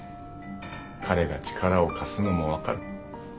彼が力を貸すのも分かる。